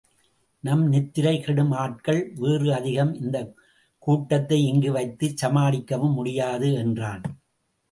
நம் நித்திரை கெடும் ஆட்கள் வேறு அதிகம் இந்தக் கூட்டத்தை இங்கு வைத்துச் சமாளிக்கவும் முடியாது என்றான்.